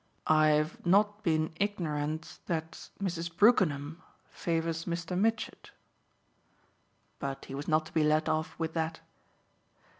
"I've not been ignorant that Mrs. Brookenham favours Mr. Mitchett." But he was not to be let off with that.